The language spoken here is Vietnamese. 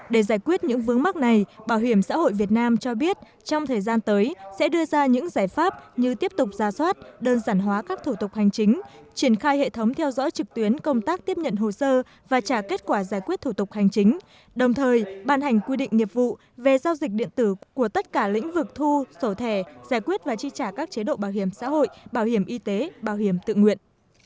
để giải quyết những vướng mắc này bảo hiểm xã hội việt nam cho biết trong thời gian tới sẽ đưa ra những giải pháp như tiếp tục ra soát đơn giản hóa các thủ tục hành chính triển khai hệ thống theo dõi trực tuyến công tác tiếp nhận hồ sơ và trả kết quả giải quyết thủ tục hành chính đồng thời bàn hành quy định nghiệp vụ về giao dịch điện tử của tất cả lĩnh vực thu sổ thẻ giải quyết và chi trả các chế độ bảo hiểm xã hội bảo hiểm y tế bảo hiểm tự nguyện